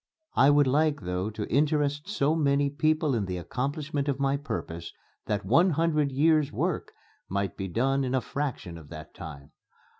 I would like though to interest so many people in the accomplishment of my purpose that one hundred years' work might be done in a fraction of that time.